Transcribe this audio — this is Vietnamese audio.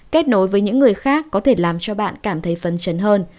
kết nối với những người khác có thể làm cho bạn cảm thấy phân trấn hơn